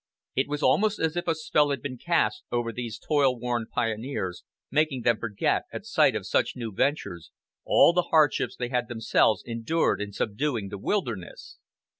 It was almost as if a spell had been cast over these toil worn pioneers, making them forget, at sight of such new ventures, all the hardships they had themselves endured in subduing the wilderness.